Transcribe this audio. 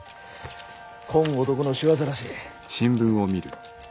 こん男の仕業らしい。